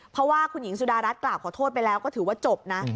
เพราะว่าคุณหญิงสุดารัฐกล่าวขอโทษไปแล้วก็ถือว่าจบนะ